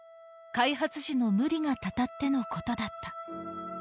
開発時の無理がたたってのことだった。